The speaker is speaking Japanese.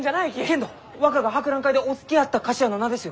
けんど若が博覧会でお好きやった菓子屋の名ですよ！